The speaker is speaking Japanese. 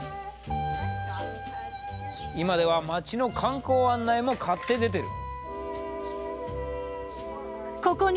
今では町の観光案内も買って出てる。